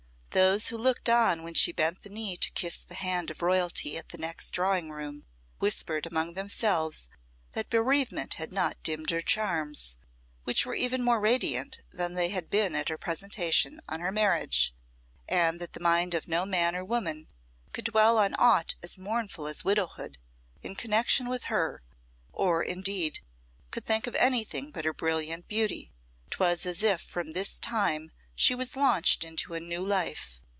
Those who looked on when she bent the knee to kiss the hand of Royalty at the next drawing room, whispered among themselves that bereavement had not dimmed her charms, which were even more radiant than they had been at her presentation on her marriage, and that the mind of no man or woman could dwell on aught as mournful as widowhood in connection with her, or, indeed, could think of anything but her brilliant beauty. 'Twas as if from this time she was launched into a new life.